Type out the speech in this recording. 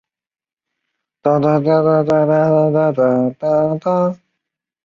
唐德宗贞元十八年曾遣使朝贡。